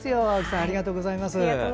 ありがとうございます。